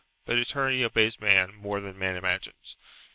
But eternity obeys man more than man imagines.